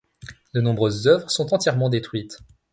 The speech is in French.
De nombreuses œuvres sont entièrement détruites.